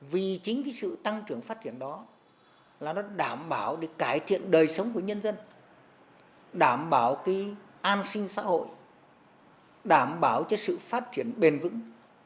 vì chính cái sự tăng trưởng phát triển đó là nó đảm bảo để cải thiện đời sống của nhân dân đảm bảo cái an sinh xã hội đảm bảo cho sự phát triển bền vững